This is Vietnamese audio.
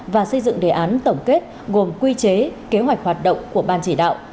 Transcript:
và xây dựng đề án tổng kết gồm quy chế kế hoạch hoạt động của ban chỉ đạo